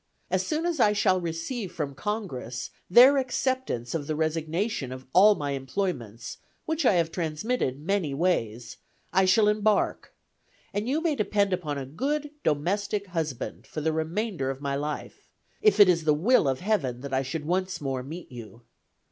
As soon as I shall receive from Congress their acceptance of the resignation of all my employments, which I have transmitted many ways, I shall embark, and you may depend upon a good domestic husband for the remainder of my life, if it is the will of Heaven that I should once more meet you.